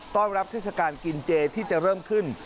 ต้อนรับเทศกาลกินเจที่จะเริ่มขึ้น